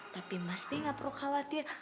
tapi mas bay gak perlu khawatir